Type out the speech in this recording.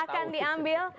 mereka akan diambil